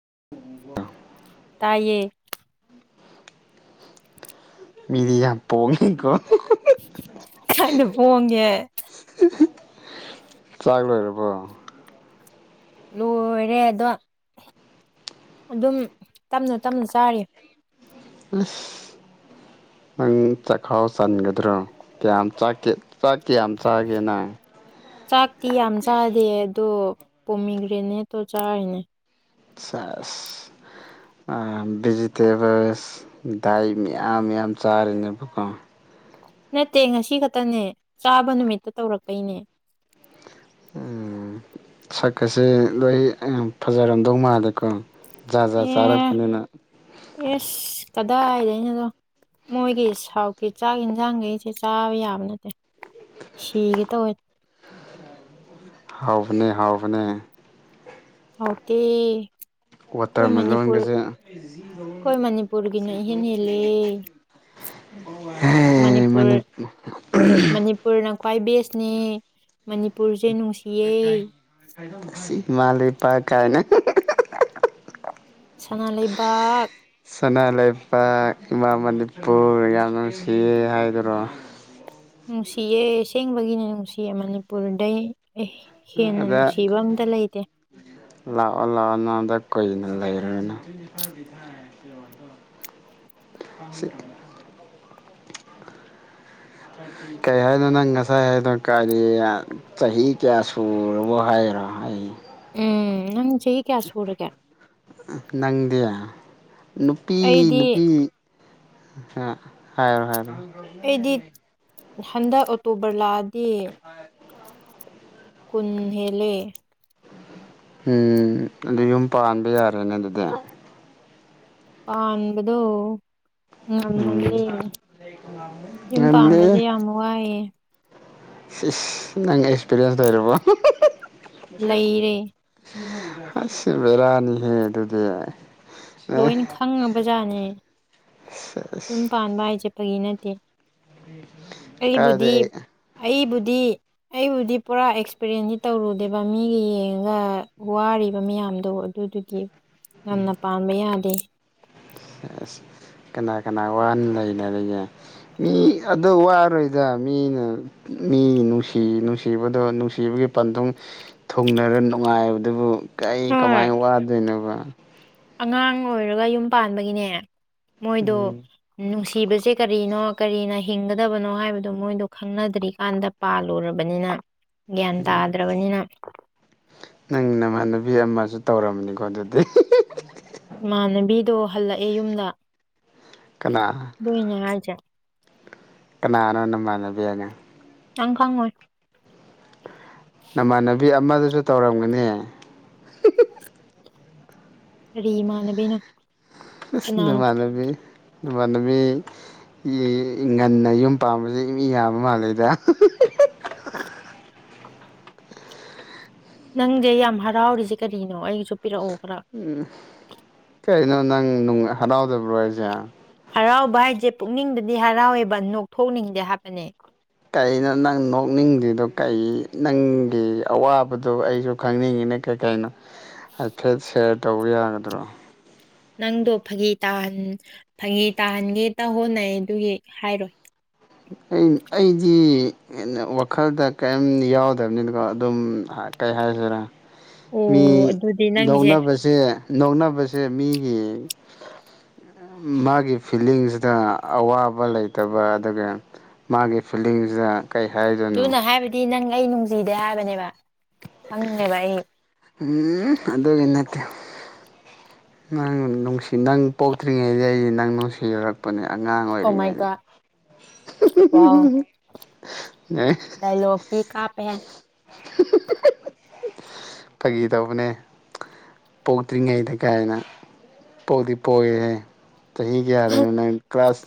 [inaudible] ꯇꯌꯦ ꯃꯤꯗꯤ ꯌꯥꯝ ꯄꯣꯡꯉꯦꯀꯣ ꯀꯥꯏꯅ ꯄꯉ ꯆꯥꯛ ꯂꯣꯏꯔꯕꯣ ꯂꯣꯏꯔꯦ ꯑꯗꯣ ꯑꯗꯨꯝ ꯇꯞꯅ ꯇꯞꯅ ꯆꯥꯔꯤ ꯑꯁ ꯅꯪ ꯆꯈꯥꯎ ꯆꯟꯒꯗ꯭ꯔꯣ ꯀꯌꯥꯝ ꯆꯥꯛ ꯀꯌꯥꯝ ꯆꯥꯒꯦ ꯅꯪ ꯆꯥꯛꯇꯤ ꯌꯥꯝ ꯆꯥꯗꯦ ꯑꯗꯣ ꯄꯣꯃꯤꯒ꯭ꯔꯦꯅꯦꯠꯇꯣ ꯆꯥꯔꯤꯅꯦ ꯆꯁ ꯚꯤꯖꯤꯇꯦꯕꯜꯁ ꯗꯥꯏ ꯃꯌꯥꯝ ꯌꯥꯝ ꯆꯥꯔꯤꯅꯦꯕꯀꯣ ꯅꯠꯇꯦ ꯉꯁꯤ ꯈꯛꯇꯅꯦ ꯆꯥꯕ ꯅꯨꯃꯤꯠꯇ ꯇꯧꯔꯛꯄꯩꯅꯦ ꯁꯛꯀꯁꯦ ꯂꯣꯏ ꯌꯥꯝ ꯐꯖꯔꯝꯗꯧ ꯃꯥꯜꯂꯦꯀꯣ ꯖꯥ ꯖꯥ ꯑꯦ ꯆꯥꯔꯛꯄꯅꯤꯅ ꯑꯦꯁ ꯀꯗꯥꯏꯗꯩꯅꯣꯗ ꯃꯣꯏꯒꯤ ꯁꯥꯎꯠꯀꯤ ꯆꯥꯛ ꯌꯦꯟꯖꯥꯡ ꯑꯩꯁꯦ ꯆꯥꯕ ꯌꯥꯕ ꯅꯠꯇꯦ ꯁꯤꯒꯦ ꯇꯧꯋꯦ ꯍꯥꯎꯕꯅꯦ ꯍꯥꯎꯕꯅꯦ ꯍꯥꯎꯇꯦ ꯃꯅꯤꯄꯨꯔ ꯋꯥꯇꯔꯃꯦꯂꯣꯟꯒꯁꯦ ꯑꯩꯈꯣꯏ ꯃꯅꯤꯄꯨꯔꯒꯤꯅ ꯏꯍꯦꯟ ꯍꯦꯜꯂꯦ ꯍꯦ ꯃꯅꯤꯄꯨꯔ ꯃꯅꯤ ꯃꯅꯤꯄꯨꯔꯅ ꯈ꯭ꯋꯥꯏ ꯕꯦꯁ ꯅꯦ ꯃꯅꯤꯄꯨꯔꯁ ꯁꯤꯃꯂ [unintelligible] ꯁꯅꯥ ꯂꯩꯕꯥꯛ ꯄ ꯏꯃꯥ ꯃꯅꯤꯄꯨꯔ ꯌꯥꯝ ꯅꯨꯡꯁꯤꯌꯦ ꯍꯥꯏꯗꯨꯔꯣ ꯅꯨꯡꯁꯤꯌꯦ ꯑꯁꯦꯡꯕꯒꯤꯅꯦ ꯅꯨꯡꯁꯤꯌꯦ ꯃꯅꯤꯄꯨꯔꯗꯩ ꯑꯦ ꯍꯦꯟꯅ ꯑꯗ ꯅꯨꯡꯁꯤꯕ ꯑꯝꯇ ꯂꯩꯇꯦ ꯂꯥꯛꯑꯣ ꯂꯥꯛꯑꯣ ꯅꯅꯥꯗ ꯀꯨꯏꯅ ꯂꯩꯔꯅ ꯀꯔꯤ ꯍꯥꯏꯅꯣ ꯅꯪ ꯉꯁꯥꯏ ꯍꯥꯏꯗꯣ ꯀꯥꯏꯔꯤ ꯆꯍꯤ ꯀꯌꯥ ꯁꯔꯕꯣ ꯍꯥꯏꯔꯣ ꯑꯩ ꯎꯝ ꯆꯍꯤ ꯀꯌꯥ ꯁꯨꯔꯒꯦ ꯅꯪꯌꯥ ꯅꯨꯄꯤ ꯑꯩꯗꯤ ꯅꯨꯄꯤ ꯍꯥꯏꯔꯣ ꯍꯥꯏꯔ ꯑꯗꯨ ꯑꯗꯨꯅꯦ ꯍꯟꯗ ꯑꯣꯛꯇꯣꯕꯔ ꯂꯥ ꯇ ꯀꯨꯟꯍꯦꯂꯦ ꯎꯝ ꯑꯗꯨ ꯌꯨꯝ ꯄꯥꯟꯕ ꯌꯥꯔꯦꯅꯦ ꯑꯗꯨꯗꯤ ꯑ ꯑꯕꯗꯣ ꯎꯝ ꯉꯝꯃꯅꯤ ꯌꯨꯝ ꯄꯥꯝꯕꯁ ꯌꯥꯝ ꯋꯥꯏꯑꯦ ꯅ ꯑꯦꯛꯁꯄꯤꯔꯤꯌꯦꯟꯁ ꯇꯔꯕꯣ ꯂꯩꯔꯦ ꯑꯁꯤꯁ ꯕꯤꯔꯥꯅꯤꯍꯦ ꯑꯗꯨꯗꯤ ꯑꯦ ꯂꯣꯏꯅ ꯈꯪꯉꯕ ꯖꯥꯠꯅꯦ ꯌꯨꯝ ꯄꯥꯟꯕ ꯍꯥꯏꯁꯦ ꯠꯇꯒꯤ ꯅꯠꯇꯦ ꯑꯩꯕꯨꯙ ꯀꯥꯏꯗꯩ ꯑꯩꯕꯨ ꯗꯤ ꯑꯩꯕꯨꯗꯤ ꯄꯨꯔꯥ ꯑꯦꯛꯁꯄꯔꯌꯦꯟꯁꯇ ꯇꯧꯔꯨꯗꯦꯕ ꯃꯤꯒ ꯌꯦꯡꯉꯒ ꯋꯥꯔꯤꯕ ꯃꯌꯥꯝꯗꯣ ꯑꯗꯨꯗꯨꯒꯤ ꯉꯅ ꯄꯥꯝꯕ ꯌꯥꯗꯦ ꯑ ꯑꯁ ꯀꯅꯥ ꯀꯅꯥ ꯋꯥꯅ ꯂꯩꯅꯔꯤꯒꯦ ꯃꯤ ꯑꯗꯣ ꯋꯥꯔꯣꯏꯗ ꯃꯤꯅ ꯃꯤ ꯅꯨꯡꯁꯤ ꯅꯨꯡꯁꯤꯕꯗꯣ ꯅꯨꯡꯁꯤꯕꯒꯤ ꯄꯥꯟꯗꯨꯡ ꯊꯨꯡꯅꯔ ꯅꯨꯡꯉꯥꯏꯕꯗꯨꯕꯨ ꯀꯩ ꯍꯣꯏ ꯀꯃꯥꯏꯅ ꯋꯥꯗꯣꯏꯅꯣꯕ ꯎꯝ ꯑꯉꯥꯡ ꯑꯣꯏꯔꯒ ꯌꯨꯝ ꯄꯥꯟꯕꯒꯤꯅꯦ ꯃꯣꯏꯗ ꯎꯝ ꯅꯨꯡꯁꯤ ꯁꯤꯕꯁꯦ ꯀꯔꯤꯅꯣ ꯀꯔꯤꯅ ꯍꯤꯡꯒꯗꯕꯅꯣ ꯍꯥꯏꯕꯗꯣ ꯃꯣꯏꯗꯣ ꯈꯪꯅꯗ꯭ꯔꯤꯀꯥꯟꯗ ꯄꯥꯜꯂꯨꯔꯕꯅꯤꯅ ꯒ꯭ꯌꯥꯟ ꯇꯥꯗ꯭ꯔꯕꯅꯤꯅ ꯅꯪꯅ ꯃꯥꯅ ꯌꯥꯝꯃ ꯁꯨ ꯇꯧꯔꯝꯅꯤꯀꯣ ꯑꯗꯨꯗꯤ ꯏꯃꯥꯟꯅꯕꯤꯗꯣ ꯍꯜꯂꯛꯑꯦ ꯌꯨꯝꯗ ꯀꯅꯥ ꯏꯅ ꯍꯥꯏꯖ ꯀꯅꯥꯅꯣꯅ ꯃꯥꯟꯅꯕꯤꯅ ꯑꯪ ꯈꯪ ꯑꯣꯏ ꯅꯃꯥꯟꯅꯕꯤ ꯑꯃꯗꯁꯨ ꯇꯧꯔꯝꯒꯅꯤ ꯔꯔꯤꯃꯥꯅꯕꯤꯅ ꯅ ꯃꯥꯅꯕꯤ ꯅꯨꯃ ꯅꯨ ꯃꯤ ꯉꯟꯅ ꯌꯨꯝ ꯄꯥꯁꯦ ꯃꯤ ꯌꯥꯝꯕ ꯃꯥꯂꯗ ꯅꯪꯁꯦ ꯌꯥꯝ ꯍꯔꯥꯎꯔꯤꯁꯦ ꯀꯔꯤꯅꯣ ꯑꯩꯒꯤꯁꯨ ꯄꯤꯔꯛꯑꯣ ꯈꯔ ꯎꯝ ꯀꯩꯩꯅꯣ ꯅꯪ ꯍꯔꯥꯎꯗꯕ꯭ꯔꯣ ꯑꯩꯖꯦ ꯍꯔꯥꯎꯕ ꯍꯥꯏꯁꯦ ꯄꯨꯛꯅꯤꯡꯗꯗꯤ ꯍꯔꯥꯎꯋꯦꯕ ꯅꯣꯛꯊꯣꯛꯅꯤꯡꯗꯦ ꯍꯥꯏꯕꯅꯦ ꯀꯩꯅꯣ ꯅꯪ ꯅꯣꯛꯅꯤꯡꯗ꯭ꯔꯤꯗꯣ ꯀꯩ ꯅꯪꯒꯤ ꯑꯋꯥꯕꯗꯨꯣ ꯑꯩꯁꯨ ꯈꯪꯅꯤꯡꯉꯤꯅꯦ ꯀꯩ ꯀꯩꯅꯣ ꯑꯆꯥꯦ ꯁ ꯇꯧꯕ ꯌꯥꯒꯗ꯭ꯔꯣ ꯅꯪꯗꯣ ꯐꯥꯒꯤ ꯇꯍ ꯐꯥꯒꯤ ꯇꯥꯍꯥꯟꯒꯦ ꯇ ꯍꯣꯠꯅꯩ ꯑꯗꯨꯒꯤ ꯍꯥꯏꯔꯣꯏ ꯑꯩꯗꯤ ꯋꯥꯈꯜꯗ ꯀꯔꯤꯝ ꯌꯥꯎꯗꯕꯅꯤꯅꯀꯣ ꯑꯗꯨꯝ ꯀꯩ ꯍꯥꯏꯁꯤꯔꯥ ꯑꯣ ꯃꯤ ꯑꯗꯨꯗꯤ ꯅꯪꯁꯦ ꯅꯧꯅꯕꯁꯦ ꯅꯣꯛꯅꯕꯁꯦ ꯃꯤꯒꯤ ꯃꯥꯒꯤ ꯐꯤꯂꯤꯡꯁꯤꯗ ꯑꯋꯥꯕ ꯂꯩꯇꯕ ꯑꯗꯨꯒ ꯃꯥꯒꯤ ꯐꯤꯂꯤꯡꯁꯤꯗ ꯀꯩ ꯍꯥꯏꯗꯣꯏꯅꯣ ꯑꯗꯨꯅ ꯍꯥꯏꯕꯗꯤ ꯅꯪ ꯑꯩ ꯅꯨꯡꯁꯤꯗꯦ ꯍꯥꯏꯕꯅꯦꯕ ꯈꯪꯅꯦꯚꯥꯏ ꯎꯝ ꯑꯗꯨꯒꯤ ꯅꯠꯇꯦ ꯅꯪ ꯅꯨꯡꯁꯤ ꯅꯪ ꯄꯣꯛꯇ꯭ꯔꯤꯉꯩꯗ ꯑꯩꯗꯤ ꯅꯪ ꯅꯨꯡꯁꯤꯖꯔꯛꯄꯅꯦ ꯑꯉꯥꯡꯉ ꯑꯣ ꯃꯥꯏ ꯑꯣꯏꯔꯤꯉꯅꯤ ꯒꯣꯠ ꯋꯥꯎ ꯗꯥꯏꯂꯣꯛꯇꯤ ꯀꯥꯞꯄꯦ ꯐꯥꯒꯤ ꯇꯧꯕꯅꯦ ꯄꯣꯛꯇ꯭ꯔꯤꯉꯩꯗ ꯀꯥꯏꯅ ꯄꯣꯛꯇꯤ ꯄꯣꯛꯏꯍꯦ ꯆꯍꯤꯍꯤ ꯀꯗꯦꯅ ꯀ꯭ꯂꯥꯁ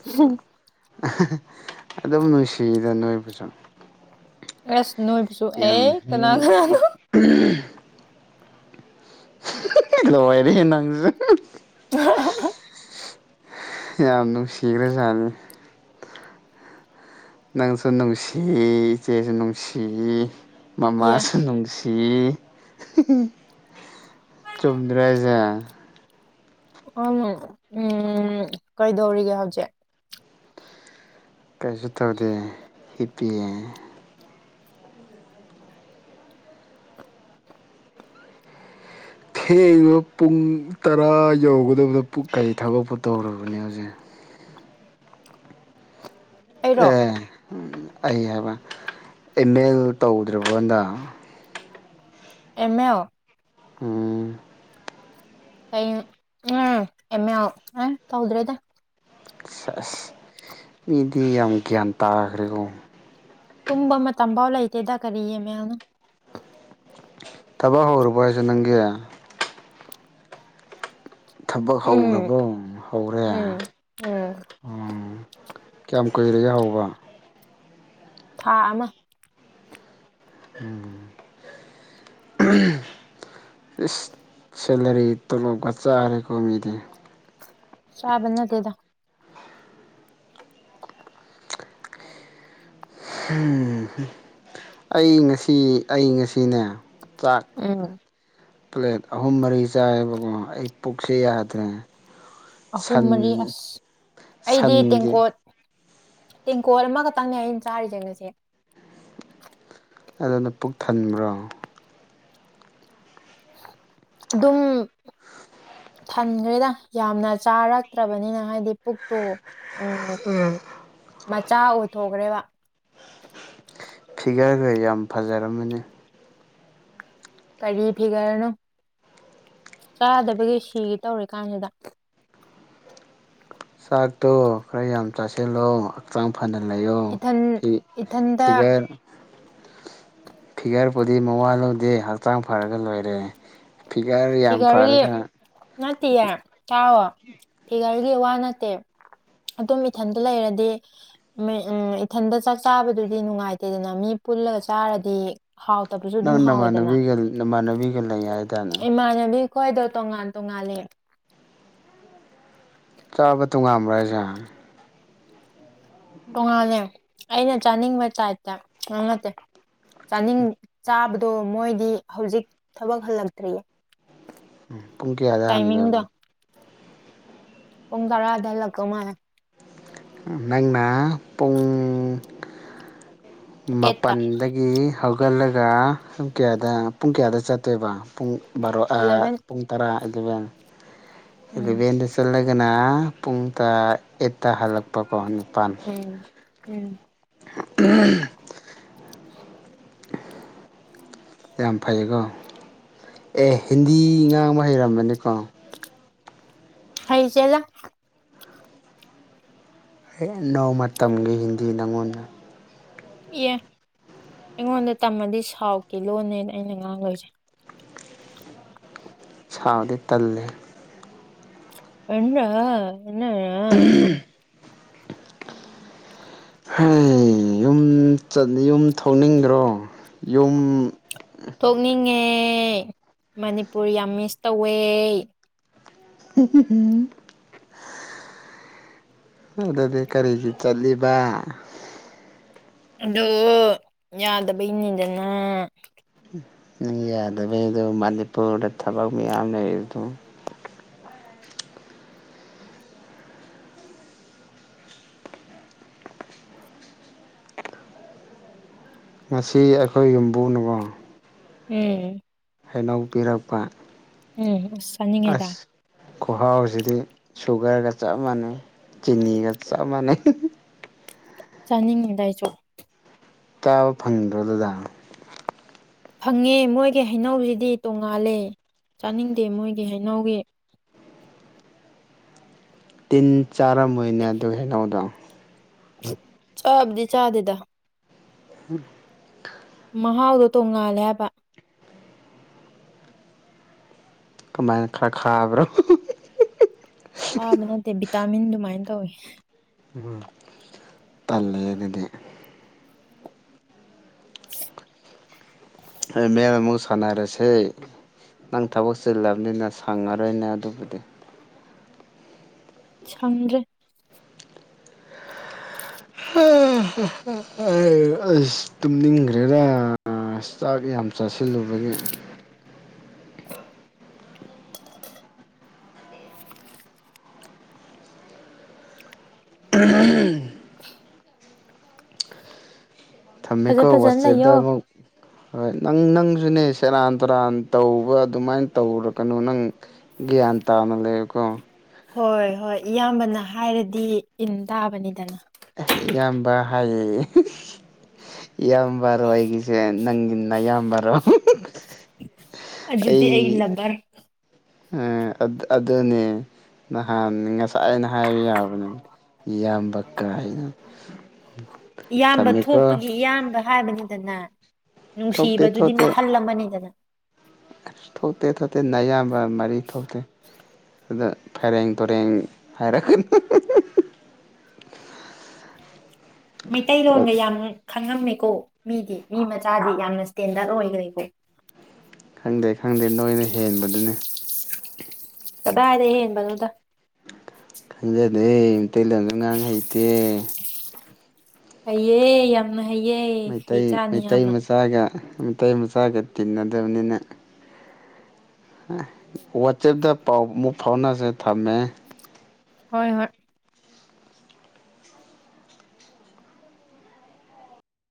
ꯑꯗꯨꯝ ꯅꯨꯡꯁꯤꯗ ꯅꯣꯏꯕꯨꯁꯨ ꯁ ꯌꯥꯝ ꯋꯥꯏꯔꯦ ꯅꯪꯁꯨ [unintelligible] ꯌꯥꯝ ꯅꯨꯡꯁꯤꯈ꯭ꯔꯖꯥꯅꯤ ꯅꯪꯁꯨ ꯅꯨꯡꯁꯤ ꯏꯆꯦꯁꯨ ꯅꯨꯡꯁꯤ ꯑꯦ ꯃꯃꯁꯨ ꯅꯨꯡꯁꯤ ꯁꯤ ꯆꯨꯝꯗ꯭ꯔ ꯍꯖꯥ ꯑ ꯎꯝ ꯀꯩꯗꯧꯔꯤꯒꯦ ꯍꯧꯖꯤꯛ ꯀꯩꯁꯨ ꯇꯧꯗꯦ ꯍꯤꯞꯄꯤꯌꯦ ꯊꯦꯡꯕ ꯄꯨꯡ ꯇꯔꯥ ꯌꯧꯒꯗꯕꯗ ꯀꯔꯤ ꯊꯕꯛꯄꯨ ꯇꯧꯨꯔꯕꯅꯦ ꯍꯧꯖꯤꯛ ꯑꯩꯔꯣ ꯑ ꯑꯩ ꯍꯥꯏꯕ ꯏꯃꯦꯜ ꯇꯧꯗ꯭ꯔꯕꯗ ꯑꯦꯦꯝꯥꯎ ꯎꯝ ꯀꯩ ꯑꯝ ꯑꯦꯃꯦꯎ ꯑ ꯇꯧꯗ꯭ꯔꯦꯗ ꯑꯁ ꯃꯤꯗꯤ ꯌꯥꯝ ꯒ꯭ꯌꯥꯟ ꯇꯥꯈ꯭ꯔꯦꯀꯣ ꯇꯨꯝꯕ ꯃꯇꯝ ꯐꯥꯎ ꯂꯩꯇꯦꯗ ꯀꯔꯤꯌꯦ ꯃꯌꯥꯝꯅ ꯊꯕꯛ ꯍꯧꯔꯕꯨ ꯍꯥ ꯅꯪꯒꯦ ꯊꯕꯛ ꯎꯝ ꯍꯧ꯭ꯔꯔꯕꯣ ꯍꯧꯔꯦ ꯎꯝ ꯎꯝ ꯎ ꯀꯌꯥꯝ ꯀꯨꯏꯔꯒꯦ ꯍꯧꯕ ꯊꯥ ꯑꯃ ꯎꯝ ꯏꯁ ꯁꯦꯂꯔꯤ ꯇꯣꯂꯣꯞꯒ ꯆꯥꯔꯦꯀꯣ ꯃꯤꯗꯤ ꯆꯥꯕꯅ ꯇꯗ ꯑꯩ ꯉꯁꯤ ꯑꯩ ꯉꯁꯤꯅꯦ ꯆꯥꯛ ꯎꯝ ꯄ꯭ꯂꯦꯠ ꯑꯍꯨꯝ ꯃꯔꯤ ꯆꯥꯏꯕꯣ ꯑꯩ ꯄꯨꯈꯁꯤ ꯌꯥꯗ꯭ꯔꯦ ꯑꯍꯨꯝ ꯁꯟ ꯃꯔꯤ ꯑꯁ ꯑꯩꯗꯤ ꯁꯟꯒꯤ ꯇꯦꯡꯀꯣꯠ ꯇꯦꯡꯀꯣꯜ ꯑꯃꯈꯛꯇꯪꯅꯦ ꯑꯩꯅ ꯆꯥꯔꯤꯖꯒꯁꯦ ꯑꯗꯨꯅ ꯄꯨꯛ ꯊꯟꯕ꯭ꯔꯣ ꯑꯗꯨꯝ ꯊꯟꯈ꯭ꯔꯦꯗ ꯌꯥꯝꯅ ꯆꯥꯔꯛꯇ꯭ꯔꯕꯅꯤꯅ ꯍꯥꯏꯗꯤ ꯄꯨꯛꯇꯣ ꯎꯝ ꯆꯥ ꯑꯣꯏꯊꯣꯛꯈ꯭ꯔꯦꯕ ꯐꯤꯒꯔꯒ ꯌꯥꯝ ꯐꯖꯔꯝꯃꯅꯤ ꯀꯔꯤ ꯐꯤꯒꯔꯅꯣ ꯆꯥꯗꯕꯒꯤ ꯁꯤꯒ ꯇꯧꯔꯤ ꯀꯥꯟꯁꯤꯗ ꯆꯥꯛꯇꯣ ꯈꯔ ꯌꯥꯝ ꯆꯥꯁꯤꯜꯂꯣ ꯍꯛꯆꯥꯡ ꯐ ꯐꯅ ꯂꯩꯌꯣ ꯏꯊꯟ ꯏꯊꯟꯇ ꯐꯤꯒꯔ ꯐꯤꯒꯔꯄꯨꯗꯤ ꯃꯋꯥ ꯂꯧꯗꯦ ꯍꯛꯆꯥꯡ ꯐꯔꯒ ꯂꯣꯏꯔꯦ ꯐꯤꯒꯔ ꯌꯥꯝ ꯍꯤꯒꯒꯤ ꯐꯔꯒ ꯅꯠꯇꯤꯌꯥ ꯇꯎꯣ ꯐꯤꯒꯔꯒꯤ ꯋꯥ ꯅꯠꯇꯦ ꯑꯗꯨꯝ ꯏꯊꯟꯗ ꯂꯩꯔꯗꯤ ꯏꯊꯟꯗ ꯆꯥꯛ ꯆꯥꯕꯗꯨꯗꯤ ꯅꯨꯡꯉꯥꯏꯇꯦꯗꯅ ꯃꯤ ꯄꯨꯜꯂꯒ ꯆꯥꯔꯗꯤ ꯍꯥꯎꯇꯕꯁꯨ ꯑꯗꯨꯝ ꯅꯪ ꯅ ꯍꯥꯎꯋꯤꯗꯅ ꯃꯥꯥꯟꯅꯦꯒ ꯅ ꯃꯥꯅꯦ [unintelligible] [unintelligible] ꯂꯩꯉ ꯍꯥꯏꯇꯥꯅ ꯑꯩꯈꯣꯏꯗꯣ ꯇꯣꯉꯥꯟ ꯇꯣꯡꯉꯥꯂꯦ ꯆꯥꯕ ꯇꯣꯉꯥꯟꯕ꯭ꯔꯥ ꯍꯥꯏꯁꯦ ꯇꯣꯉꯥꯜꯂꯦ ꯑꯩꯅ ꯆꯥꯅꯤꯡꯕ ꯆꯥꯏꯠꯇ ꯉꯥꯡꯉꯗꯦ ꯆꯥꯅꯤꯡ ꯆꯥꯕꯗꯣ ꯃꯣꯏꯗꯤ ꯍꯧꯖꯤꯛ ꯊꯕꯛ ꯍꯜꯂꯛꯇ꯭ꯔꯤꯌꯦ ꯎꯝ ꯄꯨꯡ ꯀꯌꯥꯗ ꯍꯟꯗꯕ ꯄꯪꯒꯥꯥ ꯑꯗꯂꯥꯛ ꯀꯃ ꯅꯪꯅ ꯄꯨꯡ ꯑꯦꯠꯇ ꯃꯥꯄꯜꯗꯒꯤ ꯍꯧꯒꯠꯂꯒ ꯄꯨꯡ ꯀꯌꯥꯗ ꯄꯨꯡ ꯀꯌꯥꯗ ꯆꯠꯇꯣꯏꯕ ꯄꯨꯡ ꯔꯣꯥ ꯑꯦꯂꯚꯦꯟ ꯄꯨꯡ ꯇꯔꯥ ꯑꯗꯨꯒ ꯎꯝ ꯕꯤꯂꯦꯟꯗ ꯆꯠꯂꯒꯅ ꯄꯨꯡ ꯇ ꯑꯦꯠꯇ ꯍꯜꯂꯛꯄꯀꯣ꯫ ꯅꯤꯄꯥꯜ ꯎꯝ꯫ ꯎꯝ꯫ [unintelligible] ꯌꯥꯝ ꯐꯩꯌꯦꯀꯣ ꯑꯦ ꯍꯤꯟꯗꯤ ꯉꯥꯡꯕ ꯍꯩꯔꯝꯃꯅꯦꯀꯣ꯫ ꯍꯩꯆꯦꯂ ꯍꯦ ꯅꯣꯡꯃ ꯇꯝꯒꯦ ꯍꯤꯟꯗꯤ ꯅꯉꯣꯟꯗ꯫ ꯑꯦ ꯑꯩꯉꯣꯟꯗ ꯇꯝꯃꯗꯤ ꯁꯥꯎꯠꯀꯤ ꯂꯣꯟꯅꯦ ꯑꯩꯅ ꯉꯥꯡꯗꯣꯏꯖꯦ꯫ ꯁꯥꯎꯗꯤ ꯇꯜꯂꯦ꯫ [unintelligible] [unintelligible] ꯍꯩ ꯌꯨꯝ ꯆꯠ ꯌꯨꯝ ꯊꯣꯛꯅꯤꯡꯗ꯭ꯔꯣ ꯌꯨꯝ ꯊꯣꯛꯅꯤꯡꯉꯦ ꯃꯅꯤꯄꯨ꯭ꯔ ꯌꯥꯝ ꯃꯤꯁ ꯇꯧꯋꯦ꯫ [unintelligible] ꯑꯗꯨꯗꯤ ꯀꯔꯤꯒꯤ ꯆꯠꯂꯤꯕ꯫ ꯑꯗꯣ ꯌꯥꯗꯕꯩꯅꯤꯗꯅ ꯫ ꯅꯪ ꯌꯥꯗꯕꯩꯗꯣ ꯃꯅꯤꯄꯨ꯭ꯔꯗ ꯊꯕꯛ ꯃꯌꯥꯝ ꯂꯩ ꯑꯗꯨ ꯉꯁꯤ ꯑꯩꯈꯣꯏ ꯌꯨꯝꯕꯨꯅꯀꯣ꯫ ꯎꯝ꯫ ꯍꯩꯅꯧ ꯄꯤꯔꯛꯄ꯫ ꯎꯝ꯫ ꯑꯁ ꯆꯥꯅꯤꯡꯉꯦꯗ꯫ ꯈꯨꯍꯥꯎꯖꯤꯗꯤ ꯁꯨꯒ꯭ꯔꯒ ꯆꯞ ꯃꯥꯟꯅꯩ ꯆꯤꯅꯤꯒ ꯆꯞ ꯃꯥꯟꯅꯩ꯫ ꯆꯥꯅꯤꯡꯉꯤꯗ ꯑꯩꯖꯨ꯫ ꯇꯥꯕ ꯐꯪꯗ꯭ꯔꯣ ꯑꯗꯨꯗ ꯐꯪꯉꯦ ꯃꯣꯏꯒꯤ ꯍꯩꯅꯧꯖꯤꯗꯤ ꯇꯣꯡꯉꯥꯜꯂꯦ ꯆꯥꯅꯤꯡꯗꯦ ꯃꯣꯏꯒꯤ ꯍꯩꯅꯧꯒꯤ ꯇꯤꯟ ꯆꯥꯔꯝꯃꯣꯏꯅꯦ ꯑꯗꯨꯏ ꯍꯩꯅꯧꯗꯣ꯫ ꯆꯥꯕꯨꯗꯤ ꯆꯥꯗꯦꯗ꯫ [unintelligible] ꯃꯍꯥꯎꯗꯣ ꯇꯣꯡꯉꯥꯜꯂꯦ ꯍꯥꯏꯕ꯫ ꯀꯃꯥꯏꯅ ꯈꯔ ꯈꯥꯕ꯭ꯔꯣ꯫ ꯈꯥꯕ ꯅꯠꯇꯦ ꯕꯤꯇꯥꯃꯤꯟ ꯑꯗꯨꯃꯥꯏꯅ ꯇꯧꯋꯦ꯫ [inaudible] ꯎꯝ ꯇꯜꯂꯦ ꯑꯗꯨꯗꯤ꯫ [unintelligible] ꯑꯦꯝ ꯑꯦꯜ ꯑꯃꯨꯛ ꯁꯥꯟꯅꯔꯖꯦ ꯅꯪ ꯊꯕꯛ ꯆꯤꯜꯂꯕꯅꯤꯅ ꯁꯪꯉꯔꯣꯏꯅꯦ ꯑꯗꯨꯕꯨꯗꯤ꯫ ꯁꯪꯗ꯭ꯔꯦ꯫ [unintelligible] ꯑꯁ ꯇꯨꯝꯅꯤꯡꯒꯔꯦꯗ ꯆꯥꯛ ꯌꯥꯝ ꯆꯥꯁꯤꯜꯂꯨꯕꯒꯤ [unintelligible] ꯐꯖ ꯊꯝꯃꯦꯀꯣ ꯐꯖꯅ ꯋꯥꯆꯦꯞꯇ ꯂꯩꯌꯣ ꯑꯃꯨꯛ ꯍꯣꯏ ꯅꯪ ꯅꯪ ꯅꯪꯖꯨꯅꯦ ꯁꯦꯔꯥꯟ ꯇꯨꯔꯥꯟ ꯇꯧꯕ ꯑꯗꯨꯃꯥꯏꯅ ꯇꯧꯔꯛꯀꯅꯨ ꯅꯪ ꯒ꯭ꯌꯥꯟ ꯇꯥꯅ ꯂꯩꯌꯨꯀꯣ꯫ ꯍꯣꯏ ꯍꯣꯏ ꯏꯌꯥꯝꯕꯅ ꯍꯥꯏꯔꯗꯤ ꯏꯟ ꯇꯥꯕꯅꯤꯗꯅ꯫ ꯏꯌꯥꯝꯕ ꯍꯥꯏꯌꯦ ꯏꯌꯥꯝꯕꯔꯣ ꯑꯩꯒꯤꯁꯦ ꯅꯪꯒꯤ ꯏꯌꯥꯝꯕꯔꯣ ꯑꯗꯨꯗꯤ ꯑꯩ ꯂꯞꯕ꯭ꯔ꯫ ꯑꯗꯨꯅꯦ ꯅꯍꯥꯟ ꯉꯁꯥꯏ ꯑꯩꯅ ꯍꯥꯏꯕ ꯌꯥꯕꯅꯦ ꯏꯌꯥꯝꯕ ꯀꯥꯥꯏꯅ ꯏꯌꯥꯝꯕ ꯊꯣꯛꯄꯒꯤ ꯏꯌꯥꯝꯕ ꯍꯥꯏꯕꯅꯤꯗꯅ ꯊꯣꯛꯇꯦ ꯅꯨꯡꯁꯤꯕꯗꯨꯗꯤ ꯃꯈꯜ ꯑꯃꯅꯤꯗꯅ ꯊꯣꯇꯦ ꯊꯇ ꯅꯌꯥꯝ ꯃꯔꯤ ꯊꯣꯛꯇꯦ ꯑꯗꯨꯗ ꯐꯦꯔꯡ ꯇꯔꯦꯡ ꯍꯥꯏꯔꯛꯒ ꯃꯤꯇꯩꯩꯇꯩꯂꯣꯟꯒ ꯌꯥꯝ ꯈꯪꯉꯝꯃꯤ ꯀꯣ ꯃꯤꯗꯤ ꯃꯤ ꯃꯆꯥꯗꯤ ꯌꯥꯝꯅ ꯏꯁꯇꯦꯟꯗꯔꯠ ꯑꯣꯏꯈ꯭ꯔꯦꯀꯣ ꯈꯪꯗꯦ ꯈꯪꯗꯦ ꯅꯣꯏꯅ ꯍꯦꯟꯕꯗꯨꯅꯤ ꯗꯔꯦ ꯌꯦꯟꯕꯅꯗ ꯈꯟꯖꯗꯦ ꯃꯩꯇꯩꯂꯣꯟꯗ ꯉꯥꯡ ꯍꯩꯇꯦ ꯑꯩꯌꯦ ꯌꯥꯝꯅ ꯍꯩꯌꯦ ꯍꯩ ꯃꯩꯇꯩ ꯆꯥꯅꯤ ꯃꯩꯇꯩ ꯌꯥꯝꯅ ꯃꯆꯥꯒ ꯃ ꯃꯆꯥꯒ ꯇꯤꯟꯅꯗꯕꯅꯤꯅ ꯋꯥꯆꯦꯞꯇ ꯄꯥꯎ ꯑꯃꯨꯛ ꯐꯥꯎꯅꯁꯦ ꯊꯝꯃꯦ ꯍꯣꯏ ꯍꯣꯏ